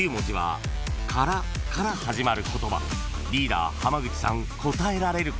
［リーダー浜口さん答えられるか？］